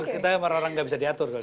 kita orang orang gak bisa diatur kalau ini